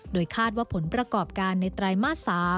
โดยคาดว่าผลประกอบการในไตรมาส๓